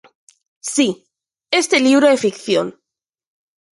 Si, este libro é ficción.